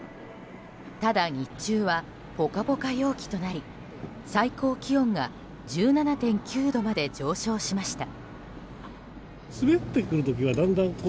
ただ、日中はぽかぽか陽気となり最高気温が１７．９度まで上昇しました。